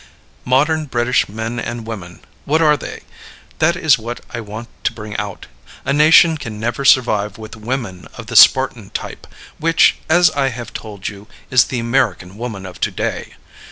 Modern British men and women, what are they? That is what I want to bring out. A nation can never survive with women of the Spartan type, which, as I have told you, is the American woman of to day.